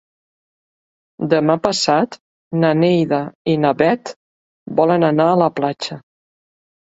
Demà passat na Neida i na Bet volen anar a la platja.